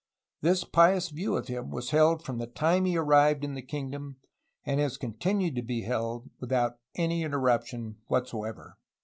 This pious view of him was held from the time he arrived in the kingdom, and has continued^to be held, without any interruption whatsoever."